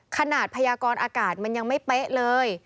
พยากรอากาศมันยังไม่เป๊ะเลย